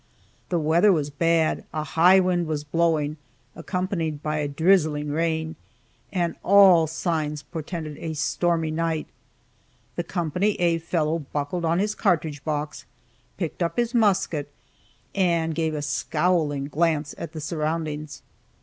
The weather was bad, a high wind was blowing, accompanied by a drizzling rain, and all signs portended a stormy night. The Co. A fellow buckled on his cartridge box, picked up his musket, and gave a scowling glance at the surroundings.